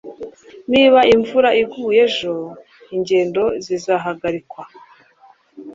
niba imvura iguye ejo, ingendo zizahagarikwa